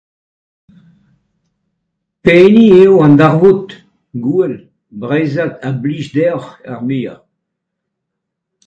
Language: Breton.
Pehini eo an darvoud, gouel breizhat a blij deoc'h ar muiañ ?